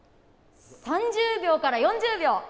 ３０秒から４０秒。